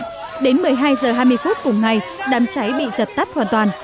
đến một mươi hai h hai mươi phút cùng ngày đám cháy bị dập tắt hoàn toàn